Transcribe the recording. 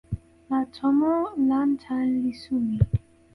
ma tomo Lantan li suli.